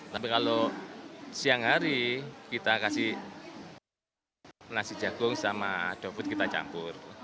tapi kalau siang hari kita kasih nasi jagung sama doput kita campur